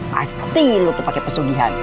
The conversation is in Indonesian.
pasti lu tuh pake pesugihan